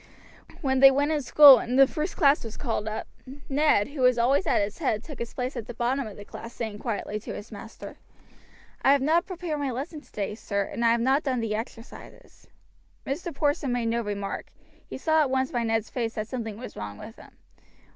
When they went in school, and the first class was called up, Ned, who was always at its head, took his place at the bottom of the class, saying quietly to the master: "I have not prepared my lesson today, sir, and I have not done the exercises." Mr. Porson made no remark; he saw at once by Ned's face that something was wrong with him.